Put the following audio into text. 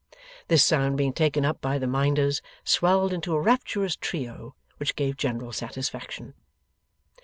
This sound being taken up by the Minders, swelled into a rapturous trio which gave general satisfaction.